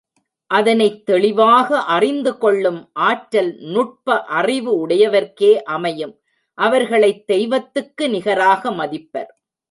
அதனைத் தெளிவாக அறிந்துகொள்ளும் ஆற்றல் நுட்ப அறிவு உடையவர்க்கே அமையும் அவர்களைத் தெய்வத்துக்கு நிகராக மதிப்பர்.